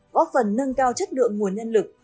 góp phần nâng cao chất lượng nguồn nhân lực